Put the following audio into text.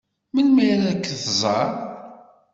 Melmi ad k-tẓeṛ?